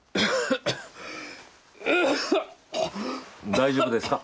大丈夫ですか？